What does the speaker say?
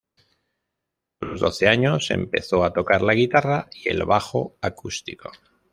A los doce años empezó a tocar la guitarra y el bajo acústico.